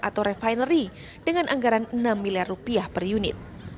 atau refinery dengan anggaran enam miliar rupiah per unit